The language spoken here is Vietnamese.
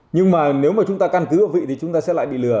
nhưng mà nếu chúng ta căn cứ vào vị thì chúng ta sẽ lại bị lừa